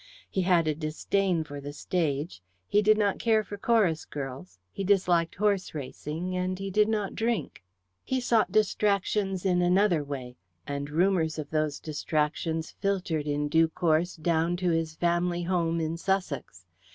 He had a disdain for the stage, he did not care for chorus girls, he disliked horse racing, and he did not drink. He sought distractions in another way, and rumours of those distractions filtered in due course down to his family home in Sussex.